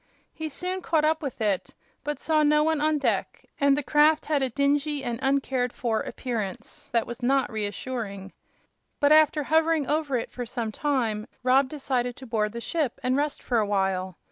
He soon caught up with it, but saw no one on deck, and the craft had a dingy and uncared for appearance that was not reassuring. But after hovering over it for some time Rob decided to board the ship and rest for a while.